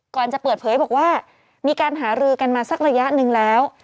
ก่อนจะเปิดเผยบอกว่ามีการหารือกันมาสักระยะหนึ่งแล้ว